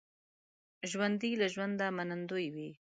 ژوندي له ژونده منندوی وي